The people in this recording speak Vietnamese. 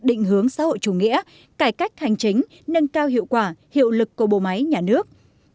định hướng xã hội chủ nghĩa cải cách hành chính nâng cao hiệu quả hiệu lực của bộ máy nhà nước